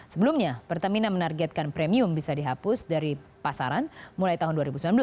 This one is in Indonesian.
sebelumnya pertamina menargetkan premium bisa dihapus dari pasaran mulai tahun dua ribu sembilan belas